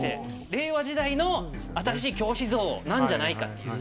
令和時代の新しい教師像なんじゃないか。